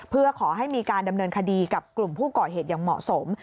เพื่อขอให้มีการดำเนินคดีกับกลุ่มผู้ก่อเหตุอย่างเหมาะสม